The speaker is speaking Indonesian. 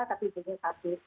tapi itu juga satu